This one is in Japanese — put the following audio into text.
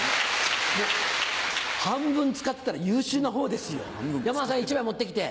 半分使ってたら優秀な方ですよ山田さん１枚持ってきて。